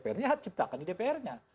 jadi mereka harus sehat ciptakan di dpr nya